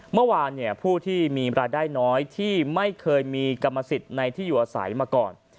เมื่อวานผู้ที่มีรายได้น้อยที่ไม่เคยมีกรรมสิทธิ์ในที่อยู่อาศัยมาก่อน